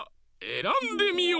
えらんでみよ！